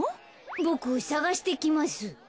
ボクさがしてきます。